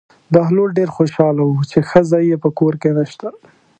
بهلول ډېر خوشحاله و چې ښځه یې په کور کې نشته.